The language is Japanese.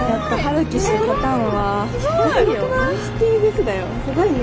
すごいね。